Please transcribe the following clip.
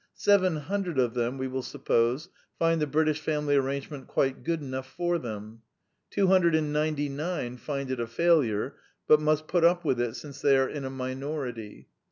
Seven hundred of them, we will suppose, find the British family arrangement quite good enough for them. Two hundred and ninety nine find it a failure, but must put up with it since they are in a minority.